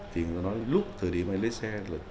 thì người ta nói lúc thời điểm anh lấy xe